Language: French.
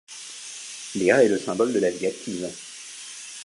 Léa est le symbole de la vie active.